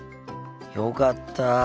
よかった。